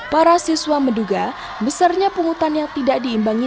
para siswa menduga besarnya pungutan yang tidak diimbangi